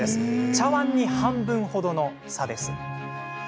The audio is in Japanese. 茶わんに半分ほどの差です。